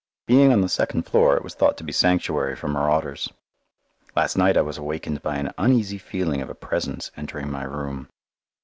Being on the second floor it was thought to be sanctuary from marauders. Last night I was awakened by an uneasy feeling of a presence entering my room.